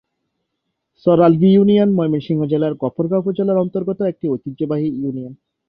চর Algi union Mymensingh জেলার গফরগাঁও উপজেলার অন্তর্গত একটি ঐতিহ্যবাহী ইউনিয়ন।